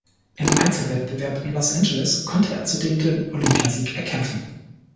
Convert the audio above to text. Im Einzelwettbewerb in Los Angeles konnte er zudem den Olympiasieg erkämpfen.